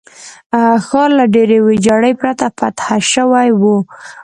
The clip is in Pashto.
ښار له ډېرې ویجاړۍ پرته فتح شوی وو.